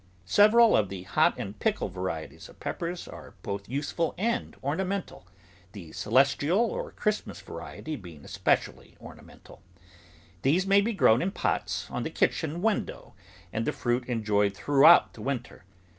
Several of the hot and pickle varieties of peppers are both useful and ornamental, the Celestial or Christmas variety being especially ornamental. These may be grown in pots on the kitchen win dow and the fruit enjoyed throughout the winter.